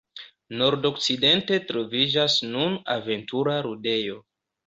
Nordokcidente troviĝas nun "aventura ludejo".